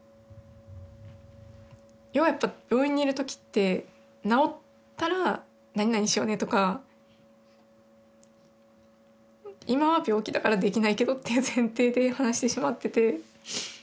要はやっぱり病院にいるときって治ったら何々しようねとか今は病気だからできないけどっていう前提で話してしまっていて。